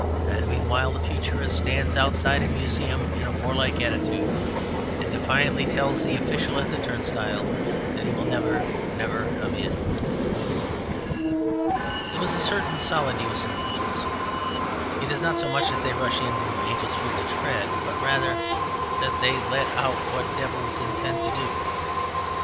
And meanwhile the Futurist stands outside a museum in a warlike attitude, and defiantly tells the official at the turnstile that he will never, never come in. There is a certain solid use in fools. It is not so much that they rush in where angels fear to tread, but rather that they let out what devils intend to do.